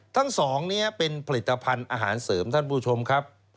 ทั้งสองนี้เป็นผลิตภัณฑ์อาหารเสริมท่านผู้ชมครับ